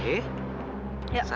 satu dua tiga